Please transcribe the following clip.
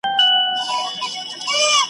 د وطن پر کروندگرو دهقانانو `